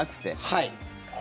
はい。